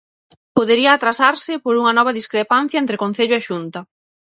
Podería atrasarse por unha nova discrepancia entre Concello e Xunta.